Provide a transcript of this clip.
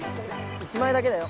１枚だけだよ。